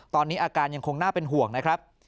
ตอนนี้อาการยังคงน่าเป็นห่วงนะครับ